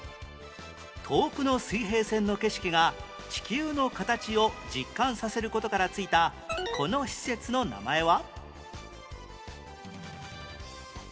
遠くの水平線の景色が地球の形を実感させる事から付いたこの施設の名前は？